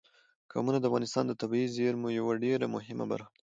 قومونه د افغانستان د طبیعي زیرمو یوه ډېره مهمه برخه ده.